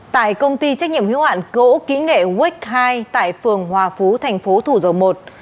tại công ty trách nhiệm hiếu hạn cỗ kỹ nghệ wick hai tại phường hòa phú thành phố thủ dầu một